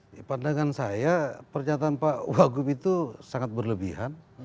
di pandangan saya pernyataan pak wagub itu sangat berlebihan